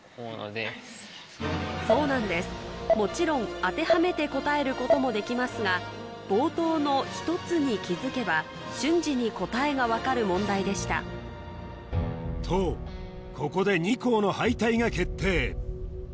そうなんですもちろん当てはめて答えることもできますが冒頭の「ひとつ」に気付けば瞬時に答えが分かる問題でしたとここで２校の敗退が決定